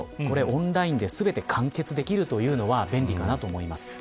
オンラインで全て完結できるというのは便利かなと思います。